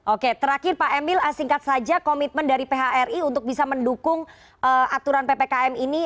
oke terakhir pak emil singkat saja komitmen dari phri untuk bisa mendukung aturan ppkm ini